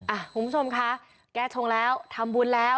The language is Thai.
คุณผู้ชมคะแก้ชงแล้วทำบุญแล้ว